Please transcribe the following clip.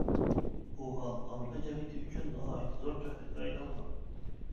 بۇ ھال ئامېرىكا جەمئىيىتى ئۈچۈن ناھايىتى زور تەھدىتكە ئايلانغان.